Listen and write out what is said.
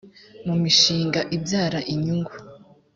mu mishinga ibyara inyungu